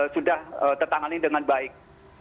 sudah tertangani dengan baik